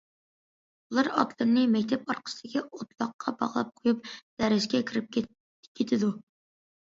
بۇلار ئاتلىرىنى مەكتەپ ئارقىسىدىكى ئوتلاققا باغلاپ قويۇپ دەرسكە كىرىپ كېتىدۇ.